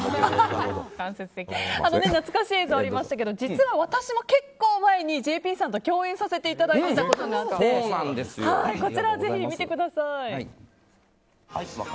懐かしい映像がありましたが私も結構前にＪＰさんと共演されたことがあってこちらをぜひ見てください。